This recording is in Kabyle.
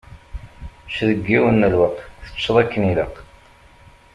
Ečč deg yiwen n lweqt, teččeḍ akken ilaq.